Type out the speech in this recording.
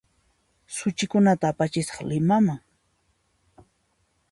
Suchikunata apachisaq Limaman